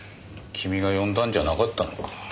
君が呼んだんじゃなかったのか。